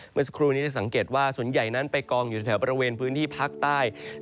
เมื่อสักครู่นี้จะสังเกตว่าส่วนใหญ่นั้นไปกองอยู่แถวบริเวณพื้นที่ภาคใต้